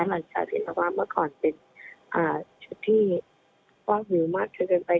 หลังจากเห็นว่าเมื่อก่อนเป็นชุดที่กว้างหิวมากเกินเกินไป